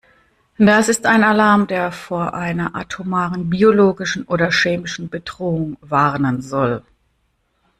Das ist ein Alarm, der vor einer atomaren, biologischen oder chemischen Bedrohung warnen soll.